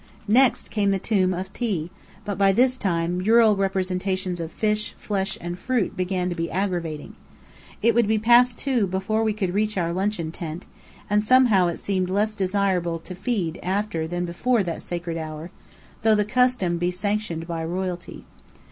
Next came the Tomb of Thi; but by this time, mural representations of fish, flesh, and fruit began to be aggravating. It would be past two before we could reach our luncheon tent; and somehow it seemed less desirable to feed after than before that sacred hour, though the custom be sanctioned by royalty.